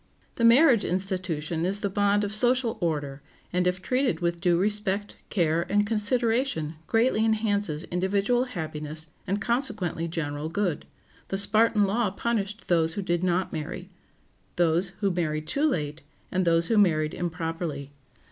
] The marriage institution is the bond of social order, and if treated with due respect, care, and consideration greatly enhances individual happiness and consequently general good. The Spartan law punished those who did not marry, those who married too late, and those who married improperly.